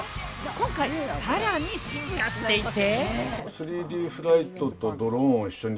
今回さらに進化していて。